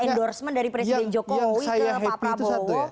yang saya happy itu satu ya